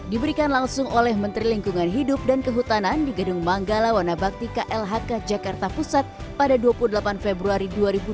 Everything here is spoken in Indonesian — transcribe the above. diberikan langsung oleh menteri lingkungan hidup dan kehutanan di gedung manggala wanabakti klhk jakarta pusat pada dua puluh delapan februari dua ribu dua puluh